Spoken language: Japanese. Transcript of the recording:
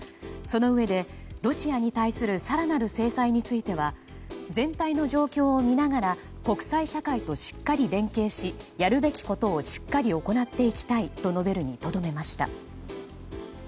そのうえで、ロシアに対する更なる制裁については全体の状況を見ながら国際社会としっかり連携しやるべきことをしっかり行っていきたいと述べるにとどめました。